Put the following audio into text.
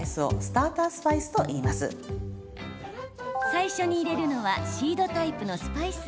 最初に入れるのはシードタイプのスパイス。